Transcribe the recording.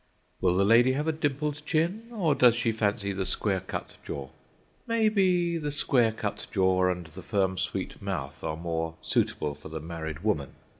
Will the lady have a dimpled chin, or does she fancy the square cut jaw? Maybe the square cut jaw and the firm, sweet mouth are more suitable for the married woman.